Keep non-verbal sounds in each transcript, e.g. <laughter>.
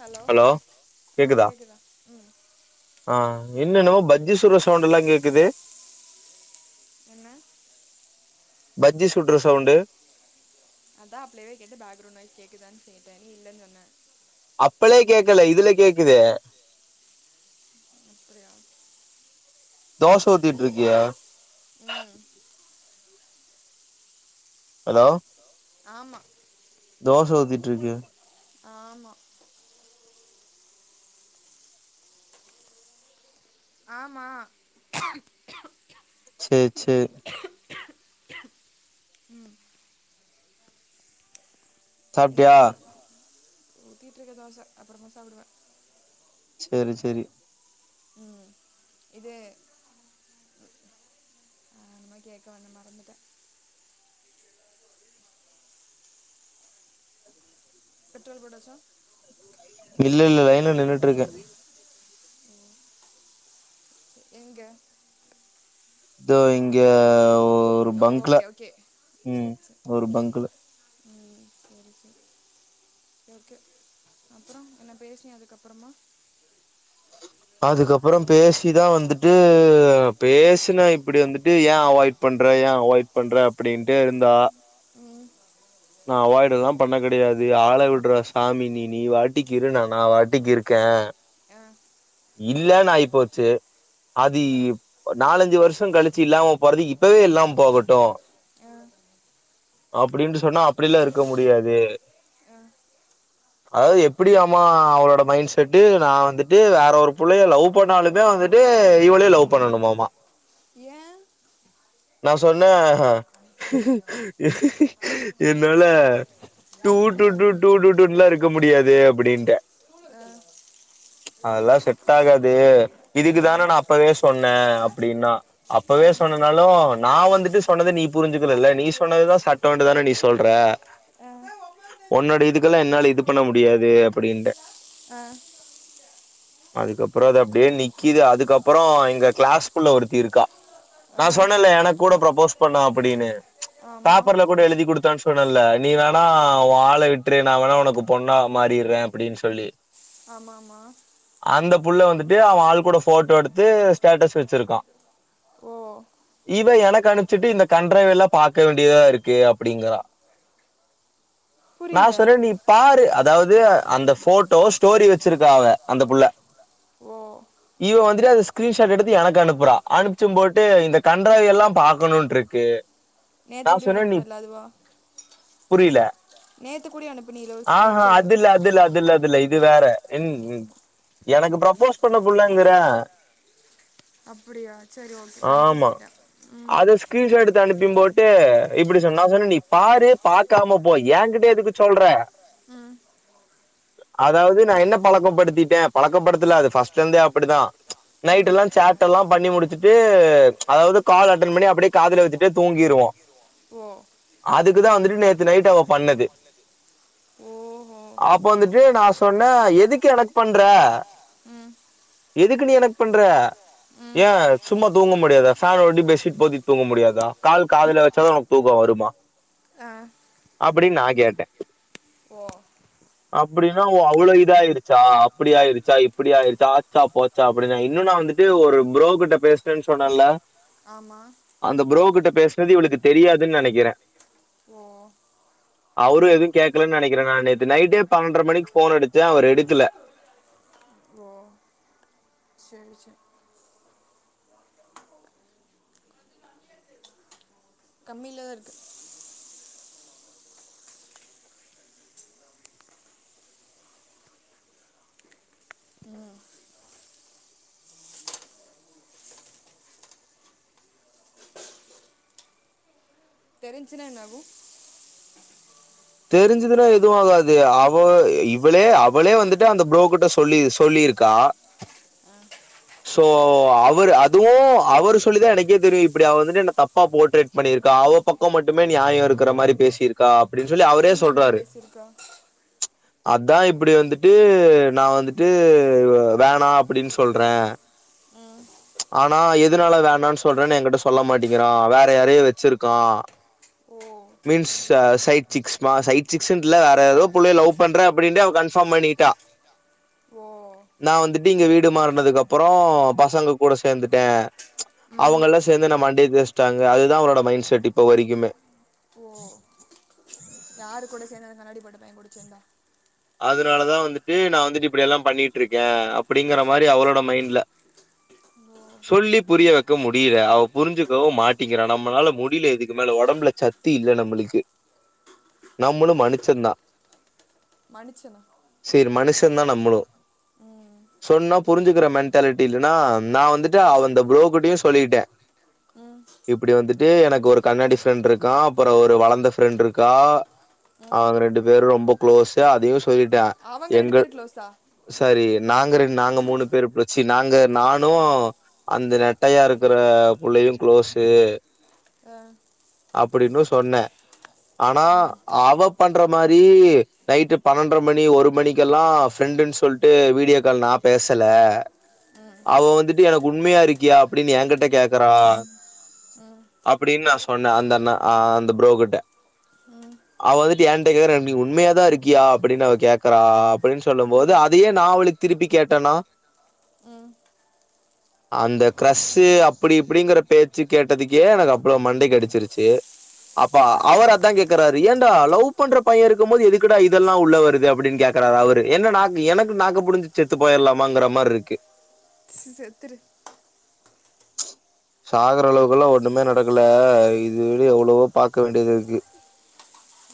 Hello ஆ கேக்குதா கேக்குது என்னன்வோ பஜ்ஜி சுட்ர சவுண்டுல்லாம் கேக்குது என்ன பஜ்ஜி சுட்ற சவுண்டு அதான் அப்லேவே கேட்டு பேக்ரவுண்ட் நாய்ஸ் கேக்குதான்னு கேட்டேன் நீ இல்லன் சொன்ன அப்பளே கேக்கல இதுல கேக்குது அப்டியா தோச ஊத்திட்ருகியா ம் ஹலோ ஆமா தோச ஊத்திட்ருக்கு ஆமா ஆமா சேரி சேரி ம் என்னைப் சாப்ட்டியா பெற்ற ஊத்திட்ருக்க தோச அப்புறமா சாப்புடுவேன் சேரி சேரி ம் இது என்னமோ கேக்க வந்தே மறந்துட்டே பெட்ரோல் போட்டாச்சா இல்ல இல்ல லைன்ல நின்னுட்ருக்கேன் ம் எங்க தோ இங்கேவ் ஒரு ஓ பங்கல ஓகே ஓகே சரி ம் சரி ஒரு பங்கல ம் சரி சரி ஓகே அப்றம் என்ன பேசினியா அதுக்கப்றமா அதுக்கப்பறம் பேசிதான் வந்துட்டு பேசுனா இப்டி வந்துட்டு ஏன் அவாய்ட் பண்ற ஏன் அவாய்ட் பண்ற அப்டின்ட்டேருந்தா ம் நான் அவாய்டல்லா பண்ண கிடையாது ஆளை விட்றா சாமி நீ நீ வாட்டிக்கிரு நா நா வாட்டிக்கிருக்கேன் ஆ இல்லன்னு ஆயிப்போச்சு அது ஆ இப் நாலஞ்சு வருஷம் கழிச்சு இல்லாம போறது இப்பவே இல்லாம போகட்டும் ஆ அப்டின்னு சொன்னாப் ப்டில்லாம் இருக்க முடியாது ஆ அதாவது எப்டி ஆமா அவளோட மைண்ட் செட்டு நான் வந்துட்டு வேற ஒரு புள்ளைய லவ் பண்ணாலுமே வந்துட்டு இவளயு லவ் பண்ணணுமாமா ஏ நா சொன்ன ஹ் ஹ் ஹ் என்னல அ முடியாது அப்டின்ட்டு அ அதெல்லாம் செட் ஆகாது இதுக்கு ஆ தானே நான் அப்பவே சொன்னே ஏன் அப்டின்னா அப்பவே ஆ சொன்னனாலும் நான் வந்துட்டு சொன்னத நீ ஒன்பதாம் புரிஞ்சுக்கலல்ல நீ தேதி சொன்னதுதான் சட்டோன்டுதானே நீ சொ சொல்ற ஆ. நான் ஒன்பதாம் தேதி உன்னோட ஸ்கூல்ல இதுக்கெல்லாம் இருக்குது என்னால இது பண்ண முடியாது குழந்தைங்களுக்கு அப்டின்ட்டேன் எல்கேஜிங்களா ஆ அதுக்கப்றம் அது அப்டியே நிக்கிது அதுக் அப்றம் இங்க கிளாஸ் புள்ள ஒருத்தி இருக்கா நா ஆ சொன்னேன்ல எனக்கு கூட ப்ரப்போஸ் பண்ணா அப்டின்னு ஆமாம் பேப்பர்ல கூட எழுதி குடுத் தா சொன்னேல நீ வேணா உன்‌ ஆள விட்ரு நா வேணா உனக்கு பொண்ணா மாறிறேன் அப்டின்னு சொல்லி ஆமாமா அந்த புள்ள வந்துட்டு அவன் ஆள் கூட போட்டோ எடுத்து ஸ்டேட்டஸ் வச்சிருக்கா ஓ இவ எனக்கனுபிச்சிட்டு இந்த கன்ட்ரவில்லாம் பாக்க வேண்டியதா இருக்கு ப்டிங்கறா நா புரியல சொல்றேன் நீ பாரு அப் அதாவது அந்த போட்டோ ஸ்டோரி வச்சிருக்க அவ அந்த புள்ள ஓ இவ வந்துட்டு அ ஸ்கிரீன்ஷாட் எடுத்து எனக்கு அனுப்புறா அனுப்பிச்சும் போட்டு இந்த கண்ட்றாவில்லாம் பாக்கணும்டுருக்கு நேத்த வீடியோ அனுபுனல்ல அதுவா புரியில நேற்று கூட அனுப்புனீல ஒரு ஆஹா ஸ்க்ரீன்ஷாட்டு அதுல்ல அதுல்ல அதுல்ல அதுல்ல இப் இது வேற என் எனக்கு ப்ரப்போஸ் பண்ண புள்ளங்கறே அப்டியா சேரி ஓகே கன்ஃப்யூஸ் ஆமா. ஆயிட்டேன் ம் ன்போட்டு இப்டி நா சொன்னே நீ பாரு பாக்காம போ என்கிட்ட எதுக்கு சொல்ற ம் அதாவது நா என்ன பழக்கப்படுத்திட்டேன் பழக்கப்படுத்தல ஃபர்ஸ்டேலருந்தே அப்டிதான் ம் நைட்டெலாம் சேட்டெலாம் பண்ணிமுடிச்சிட்டு ச் அதாவது கால் அட்டண் பண்ணி அப்டியே காதுல வச்சுட்டே தூங்கிருவோ ஓ அதுக்குதான் வந்துட்டு நேத்து நைட்டு அவ பண்ணது ஓஹோ அப்ப வந்துட்டு நா சொன்ன எதுக்கு எனக்கு பண்ற ம் எதுக்கு நீ எனக்கு பண்ற ம் ஏன் சும்மா தூங்க முடியாதா ஃபேன் ஓட்டி பெட்ஷீட் போத்தி தூங்க முடியாதா கால் காதுல வச்சதா தூக்கம் வருமா ஆ அப்டின்னு நான் கேட்டே ஓ அப்டின்னா ஒ அவ்ளோ இத ஆயிருச்சா அப்டி ஆயிருச்சா இப்டி ஆயிருச்சா ஆச்சா போச்சா அப்டின்னா இன்னும் நா வந்துட்டு ஒரு ஃப்ரோ கிட்ட பேசுனேன்னு சொன்னேன்ல ஆமாம் அந்த ப்ரோ கிட்ட பேசுனது இவளுக்கு தெரியா து நினைக்கிறேன் ஓ அவரும் எதுவும் கேட்கலன்னு நினைக்கிறே நா நேத்து நைட்டே பன்னெண்டரை மணிக்கு போன் அடிச்சேன் அவர் எடுக்கல சேரி சே கம்மிலதாருக்கு தெரிஞ்சின எண்ணாகு தெரிஞ்சதுன்னா எது ஆகாது அவ இவளே அவளே வந்துட்டு அந்த புரோக்கிட்ட சொல்லி சொல்லியிருக்கா சோ அவர் அதுவும் அவர் சொல்லிதா எனக்கே தெரியு இப்டி அவ வந்துட்டு என்ன தப்பா போர்ட்ரேட் பண்ணியிருக்கா அவ பக்கம் மட்டுமே நியாயோ இருக்கிற மாரி பேசியிருக்கா அப்டின் என்ன அப்டி பேசிருக்கா அதா இப்டி வந்துட்டு நா வந்துட்டு வேணா அப்டின்னு சொல்றே ம் ஆனா எதனால வேணா சொல்றேன்னு என்கிட்ட சொல்ல மாட்டேங்கிறா வேற யாரையோ வச்சிருக்கா ஓ மீன்ஸ் ச சைட் சிக்ஸ் மா சைட்சிக்ஸ்ன்ட்ல வேற ஏதோ புள்ளய லவ் பண்றே அப்டின்ட்டு அவ கன்ஃபார்ம் பண்ணிட்டா ஓ நா வந்துட்டு இங்க வீடு மாறனதுக்கப்புறோ பசங்க கூட சேர்ந்துட்டே ம் அவங்கல்லா சேர்ந்து நம்ம மண்டியை தேசிட்டாங்க அதுதான் அவுளோட மைண்ட் செட் இப்ப வரைக்குமே யாரு கூட சேந்து அந்த கண்ணாடி போட்ட பையன் கூட சேந்தா அதனாலதான் வந்துட்டு நா வந்துட்டு இப்டியெல்லா பண்ணிட்டுருக்கே அப்டிங்கிற மாரி அவரோட மைண்ட்ல ஓ சொல்லி புரிய வெக்க முடியல அவ புரிஞ்சுக்கவும் மாட்டிங்கிறா நம்மளால முடில இதுக்கு மேல ஒடம்புல சத்தி இல்ல நம்மளுக்கு நம்மளும் மனுச்சந்தா மனுச்சனா தென்னா நம்பனும் சொன்னா புரிஞ்சுக்கிற மெண்டாலிட்டி இல்லன்னா நா வந்துட்டு அவ அந்த புரோக்கிட்டயும் சொல்லிட்டே ம் இப்டி வந்துட்டு எனக்கு ஒரு கண்ணாடி ஃப்ரெண்ட் இருக்கா அப்புறம் வளர்ந்த ஃப்ரெண்ட் இருக்கா ம் அவங்க ரெண்டு பேரும் ரொம்ப க்ளோஸ் யாதுயூஸ் சொல்லிட்டா அவங்க ரெண்டு எங்க பேரும் க்ளோஸா சரி நாங்க ரெ நாங்க மூணு பேரு பிச்சு நாங்க நானு அந்த நெட்டையா இருக்குற புள்ளையு குளோஸ் ம் அப்டின்னு சொன்னே ஆனா ம் அவ பண்ற மாரி நைட்டு பன்னெண்டர மணி ஒரு மணிக்கெல்லா ஃப்ரெண்டுன்னு சொல்ட்டு வீடியோ கால் நா பேசல ம் அவ வந்துட்டு எனக்கு உண்மையா இருக்கியா அப்டின்னு என்கிட்ட கேக்குறா ம் அப்டின்னு நா சொன்ன அந்த அண்ண அந்த புரோ கிட்ட ம் அவ வந்துட்டு என்ட்ட கேக்ற உண்மையா தா இருக் கியா அப்டின்னு அவ கேக்கறா அப்டின்னு சொல்லும் போது ம் அதையே நான் அவள திருப்பி கேட்டனா ம் அந்த க்ரஷு அப்டி இப்டிங்கற பேச்சு கேட்டதுக்கே எனக்கு அவ்ளோ மண்டைக்கடிச்சிருச்சு அப்ப ஆ அவர் அதா கேக்குறார் ஏன்டா லவ் பண்ற பையன் இருக்கும் போது எதுக்கு க்குடா இதெல்லாம் உள்ள வருது அப்டின்னு கேக்குறாரு அவரு என்ன எனக்கு நாக்கு புடுங்கி செத்து போயிடலாமாங்கிற மாரி இருக்கு செத்ரு சாகர அளவுகள்ல்லா ஒண்ணுமே நடக்கல இது விட எவ்வளவோ பாக்க வேண்டியது இருக்கு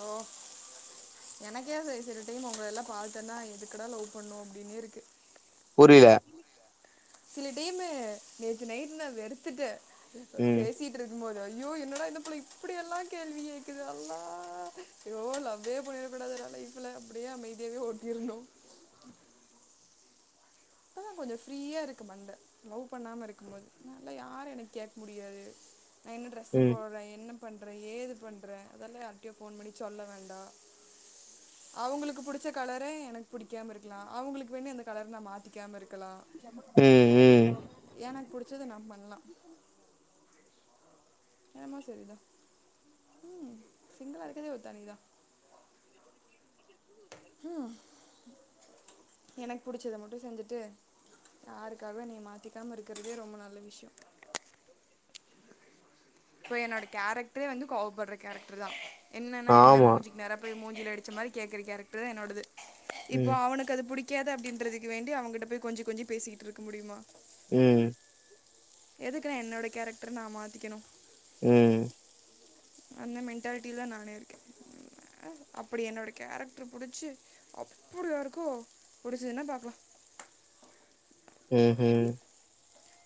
ஓ எனக்கே சில் சில் டைம் உங்களெல்லா பாத்தன்னா எதுக்குடா லவ் பண்ணோ அப்டின்னேருக்கு புரில சில டைமு நேத்து நைட்டு நா வெறுத்துட்டே <unintelligible> ம். பேசிட்டு இருக்கும் போது ஐயோ என்னடா இந்த புள்ள இப்டியெல்லா கேள்வி கேக்குது அல்லா அய்யோ லவ்வே பன்னிரக்கூடாதுடா லைஃப்ல அப்டியே அமைதியாவே ஓட்டிருணு இப்பதா கொஞ்சோ ஃப்ரீயாருக்கு மண்ட லவ் பண்ணாம இருக்கும்போது நல்லா யாரும் என்ன கேட்க் முடியாது ந இன்னு ட்ரெஸ்ஸு ம். போட்ல இன்னும் பண்றே ஏது பண்றே அதெல்லா யார்டையு ஃபோன் பண்ணி சொல்ல வேண்டா அவங்களுக்கு புடிச்ச கலரே எனக்கு புடிக்காம இருக்கலா அவங்களுக்கு வேண்டி அந்த கலர நா மாத்திக்காம இருக் ம் ம் புடிச்சது நா பண்லா ஆமா சரிதா உம் சிங்களா இருக்கதே ஒரு தனி தா ஹும் எனக்கு புடிச்சத மட்டு செஞ்சுட்டு யாருக்காகவு என்னிய மாத்திக்காம இருக்கிறதே ரொம்ப நல்ல விஷ்யோ இப்போ என்னோட கேரக்டரே வந்து கோவப்படுற கேரக்டர் தா என்னன்னா என்ன ஆமா. மூஞ்சிக்கு நேராப்போய் மூஞ் ல அடிச்ச மாரி கேக்கற கேரக்டர் தா என்னோடது இப்போ ம். அவனுக்கு அது புடி கியது அப்படின்றதுக்கு வேண்டி அவங்கிட்ட போய் கொஞ்சி கொஞ்சி பேசிக்கிட்டுருக்க முடியுமா ம் எதுக்குண்ண என்னோட கேரக்டர் நா மாத்திக்கணு உம் அந்த மென்டாலிட்டிதா நானே இருக்கே அப்படி என்னோட கேரக்டர் புடிச்சு அப்படி யாருக்கும் புடிச்சுதுன்னா பாக்கலா ம் ஹும்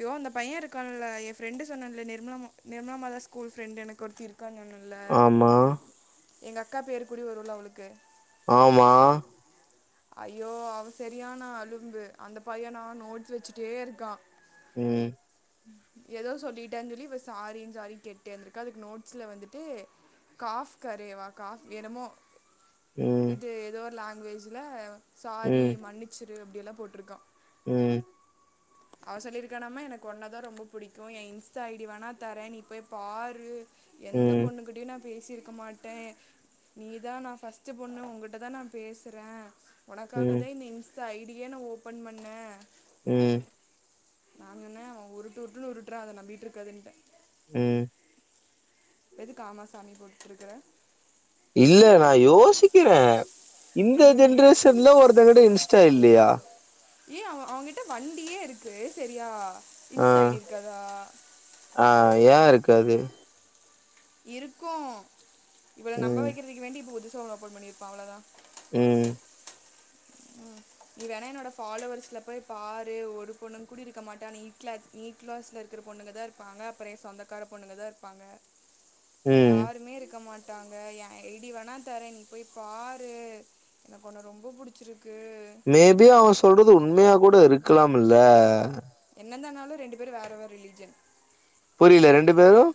யோ அந்த பையன் இருக்கான் இல்ல என் ஃபிரண்டு சொன்ன இல்ல நிர்மலாமோ நிர்மலா அம்மாதான் ஸ்கூல் ஃபிரண்டு எனக்கு ஒருத்தி இரு ஆமா எங்க அக்கா பேரு கூடியு வரும் இல்ல அவளுக்கு ஆமா ஐயோ அவன் சரியான அலும்பு அந்த பையனா நோட்ஸ் வச்சுட்டே இருக்கான் ம் ஏதோ சொல்லிட்டனு சொல்லி இப்ப சாரின் சாரி கேட்டேந்திருக்கா அதுக்கு நோட்ஸ்ல வந்துட்டு காஃப் கரேவா காஃப் என்னமோ ம் இது ஏதோ ஒரு லா ங்வேஜி லா சாரி ம் மன்னிச்சிரு அப் எல்லா போட்ருக்கான் ம் அவ சொல்லிருக்கானமே எனக்கு ஒன்னா தான் ரொம்ப புடிக்கும் என் இன்ஸ்டா ஐடி வோனா தரேன் நீ போய் பாரு எந்த ம் பொண்ணு கிட்டயும் நா பேசிருக்க மாட்டேன் நீதான் நான் ஃபர்ஸ்ட்டு பொண்ணு உன்கிட்ட தான் நான் பேசு றன் ஒனக்காக ம் தா இந்த இன்ஸ் இந்த ஐடியே நா ஓப்பன் பண்ண ம் நா சொன்னே அவன் உருட்டு உருட்டுன்னு உருட்றான் அத நம்பிட்டிருக்காத இன்ட்டன் ம் இப்ப எதுக்கு ஆமா சாமி போட்டுருக்கற இல்ல நான் யோசிக்கிறன் இந்த என்னென்ன ஜென்ரேஷன்ல ஒருத்தங்கிட்ட இன்ஸ் சா இல்லையா ஏ அவ அவங்கிட்ட வண்டியே இருக்கு செரியா ஆ ஆ ஏ இருக் காது இருக்கும் இவள நம்ப ம் வக்கிறதுக்கு வேண்டி இப்ப புதுசா ஒன்னு ஓப்பன் பண்ணிருப்பான் அவ்ளோதா ம் ம் நீ வேணா என்னோட ஃபாலோவர்ஸ்ல போய் பாரு ஒரு பொண்ணுங்க கூட இருக்க மாட்டா நீ ட்லா நீட் கிலாஸ்ல இருக்கிற பொண்ணுங்க தான் இருப்பாங்க அப்புறம் ஏ சொந்தக்கார பொண்ணுங்க தான் இருப்பாங்க வேற ம் யாருமே இருக் க்க மாட்டாங்க ஏன் ஐடி வேணா தரன் நீ போய் பாரு எனக்கு ஒன்ன ரொம்ப புடிச்சிரு மேபி அவன் சொல்றது உண்மையா கூட இரு க்கலாம் இல்ல என்னந்தா இன்னாலும் ரெண்டு பேர் வேற வேற ரிலிஜியன் புரியில ரெண்டு பேரும்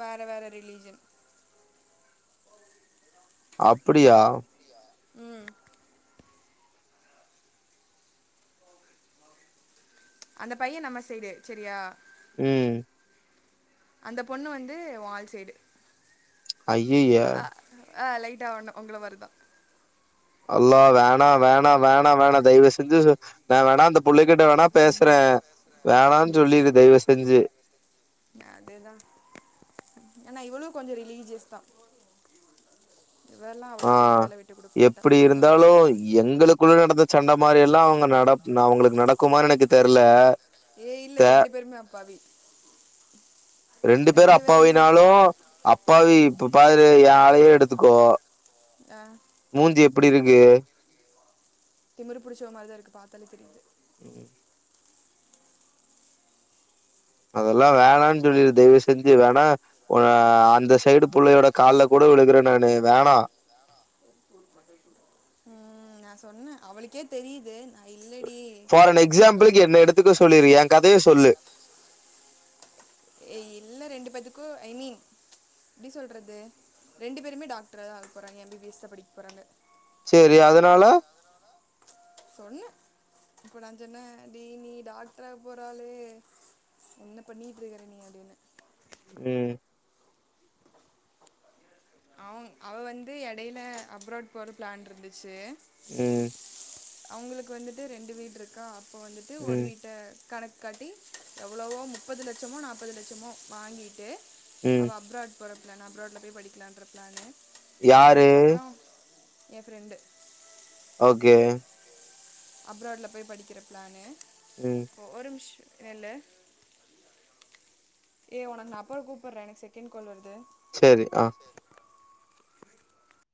வேற வேற ரிலிஜன் அப்டியா? ம் அந்த பைய நம்ம சைடு செரியா? ம் அந்த பொண்ணு வந்து உ ஆள் சைடு. ஐயயே ஆ லைட்டா ஒன்னு உங்கள மாறிதா அல்லா வேணா வேணா வேணா வேணா தயவு செஞ்சு நா வேண்ணா அந்த புள்ளை கிட்ட வேண்ணா பேசறே. வேணான்னு சொல்லிரு தயவு செஞ்சு. ஏன்னா இவளு கொஞ்ச ரிலீஜியஸ்தா. ஆ எப்படி நான் சொன்னேன் இருந்தாலு எங்களுக்குள்ள நடந்த சண்ட மாரில்லா அவங்க நட அவங்களுக்கு நடக்குமான்னு எனக்கு தெர்ல. ஏய் இல்ல த ரெண்டு பேருமே அப் பாவி ரெண்டு பேரு அப்பாவினாலு அப் பாவி இப்ப பாரு ஏன் ஆளயே எடுத்துக்கோ அ ப்டி இருக்கு திமிரு புடிச்சவ மாரிதா இருக்கு பாத்தாலே தெரியுது. அதெல்லா வேணான்னு சொல்லிரு தயவு செஞ்சு வேண்ணா ஆ அந்த சைடு புள்ளையோட கால்ல கூட விழுகுறே நானு வேணா. ம் நா சொன்னே அவளுக்கே தெரியுது நா இ ஃபார் ஆன் எக்ஸாம்பிளுக்கு என்ன எடுத்துக்க சொல்லிரு ஏன் கதைய சொல்லு. ஏ இல்ல ரெண்டு பேத்துக்கு ஐ மீன் எப்டி சொல்றது? ரெண்டு பேருமே டாக்ட்ரு ஆக போறாங்க எம் பி பி எஸ் தா படிக்க போறாங்க. செரி அதனால? சொன்னே இப்ப நா சொன்னே அடி நீ டாக்டரு ஆக போறாளே என்ன பண்ணிட்டு இருக்கற நீ அப்டின்னு. ம் அவன் அவ வந்து எடையில அப்ராட் போற பிளான் இருந்துச்சு. ம் அவங்களுக்கு வந்துட்டு ரெண்டு வீடு இருக்கா இப்ப வந்துட்டு ஒரு ம் வீட்ட கணக் கு காட்டி எவ்வளவோ முப்பது லட்சமோ நாப்பது லட்சமோ வாங்கிட்டு ம் அவ அப்ராட் போறா னா அப்ராட்ல போய் படிக்கலான் ற பிளானு. யாரு அதுக்கப்புறோ ஏன் ஃப்ரெண்டு ஓகே அப்ராட்ல போய் படிக்கிற ப்ளானு ம் ஒ ஒரு நிமிஷோ நில்லு ஏ உனக்கு நா அப்புற கூப்பிடுறே எனக் செகண்ட் கால் வருது செரி அ